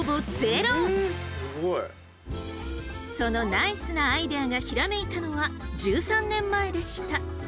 そのナイスなアイデアがひらめいたのは１３年前でした。